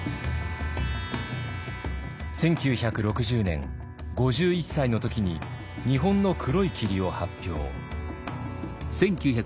１９６０年５１歳の時に「日本の黒い霧」を発表。